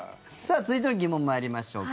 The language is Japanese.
続いての疑問に参りましょうか。